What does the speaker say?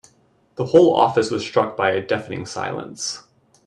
The whole office was struck by a deafening silence.